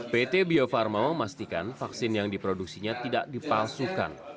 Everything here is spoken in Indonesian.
pt bio farma memastikan vaksin yang diproduksinya tidak dipalsukan